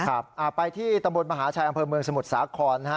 ครับไปที่ตำบลมหาชัยอำเภอเมืองสมุทรสาครนะฮะ